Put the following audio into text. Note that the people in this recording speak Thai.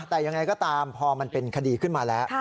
แต่ยังไงก็ตามพอมันเป็นคดีขึ้นมาแล้ว